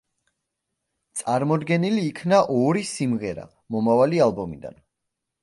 წარმოდგენილი იქნა ორი სიმღერა მომავალი ალბომიდან.